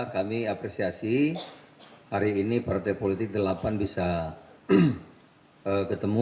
kami apresiasi hari ini partai politik delapan bisa ketemu